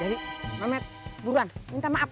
jadi mamet buruan minta maaf